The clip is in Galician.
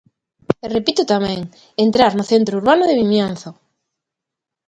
E repito tamén: entrar no centro urbano de Vimianzo.